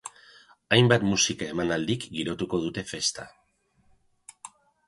Hainbat musika-emanaldik girotuko dute festa.